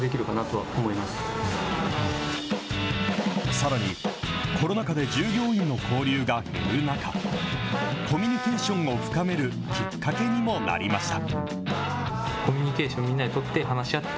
さらに、コロナ禍で従業員の交流が減る中、コミュニケーションを深めるきっかけにもなりました。